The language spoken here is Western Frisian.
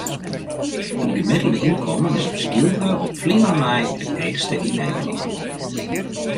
It gemiddelde ynkommen is op Skylge op Flylân nei it heechste yn Nederlân.